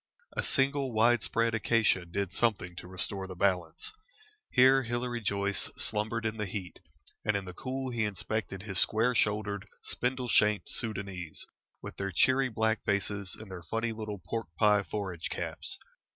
A single wide spread acacia did something to restore the balance. Here Hilary Joyce slumbered in the heat, and in the cool he inspected his square shouldered, spindle shanked Soudanese, with their cheery black faces and their funny little pork pie forage caps.